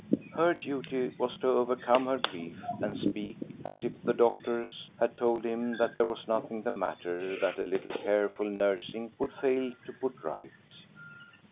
Her duty was to overcome her grief and speak as if the doctors had told him that there was nothing the matter that a little careful nursing would fail to put right.